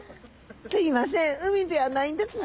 すいません海ではないんですね。